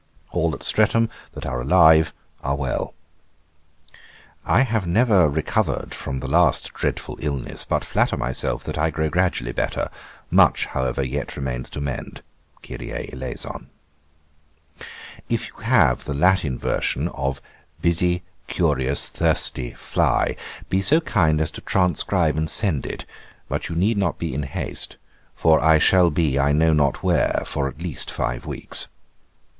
All at Streatham, that are alive, are well. 'I have never recovered from the last dreadful illness, but flatter myself that I grow gradually better; much, however, yet remains to mend. [Greek: Kurie eleaeson]. 'If you have the Latin version of Busy, curious, thirsty fly, be so kind as to transcribe and send it; but you need not be in haste, for I shall be I know not where, for at least five weeks.